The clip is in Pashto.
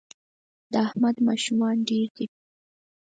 د احمد ماشومان ډېر دي